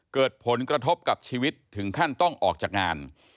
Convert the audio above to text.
เกิดผลกระทบกับชีวิตถึงขั้นต้องออกจากงาน